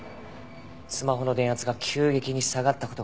スマホの電圧が急激に下がった事が原因です。